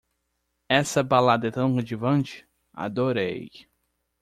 Essa balada é tão cativante? adorei!